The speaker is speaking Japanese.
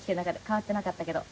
変わっていなかったけど。